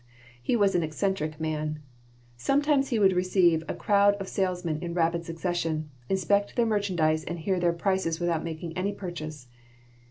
He was an eccentric man. Sometimes he would receive a crowd of salesmen in rapid succession, inspect their merchandise and hear their prices without making any purchase.